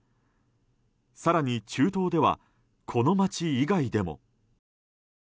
更に、中東ではこの街以外でも。